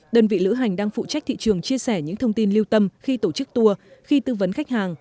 đơn vị lữ hành đang phụ trách thị trường chia sẻ những thông tin lưu tâm khi tổ chức tour khi tư vấn khách hàng